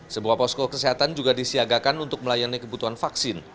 sebuah posko kesehatan juga disiagakan untuk melayani kebutuhan vaksin